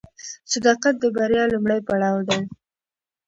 صداقت د بریا لومړی پړاو دی.